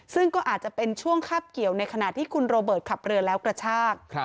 ซึ่งก็อาจจะเป็นช่วงคาบเกี่ยวในขณะที่คุณโรเบิร์ตขับเรือแล้วกระชาก